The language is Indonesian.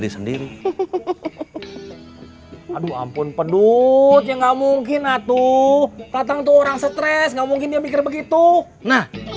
sendiri aduh ampun